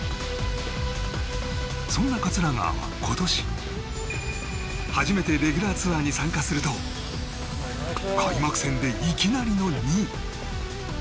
そんな桂川は今年、初めてレギュラーツアーに参加すると開幕戦でいきなりの２位。